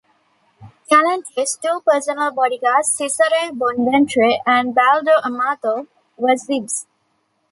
Galante's two personal bodyguards Cesare Bonventre and Baldo Amato, were Zips.